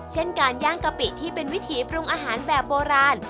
เช่นการย่างกะปิที่เป็นวิถีปรุงอาหารแบบโบราณ